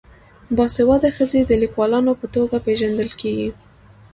باسواده ښځې د لیکوالانو په توګه پیژندل کیږي.